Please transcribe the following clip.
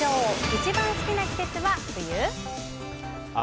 一番好きな季節は冬？